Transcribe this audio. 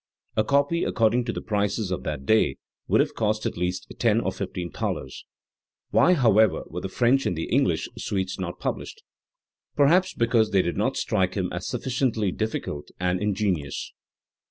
A copy, according to the prices of that day, would have cost at least ten or fifteen thalers, Why, however, were the French The French and English Suites. 325 and the English suites not published? Perhaps because they did not strike him as sufficiently difficult aad in genious.